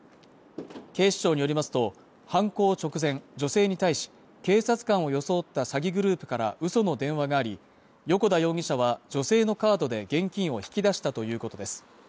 警視庁によりますと犯行直前女性に対し警察官を装った詐欺グループからうその電話があり与古田容疑者は女性のカードで現金を引き出したということです